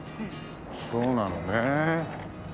そうなのね。